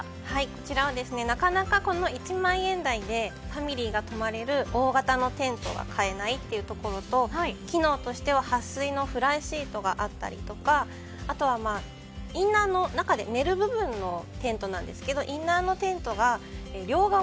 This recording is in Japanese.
こちらはなかなかこの１万円台でファミリーが泊まれる大型のテントは買えないというところと機能としては撥水のフランシートがあったりとかあとは、中で寝る部分のテントなんですけどインナーのテントが両側